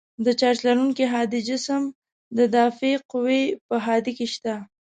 د چارج لرونکي هادي جسم د دافعې قوه په هادې کې شته.